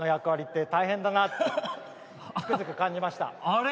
あれ？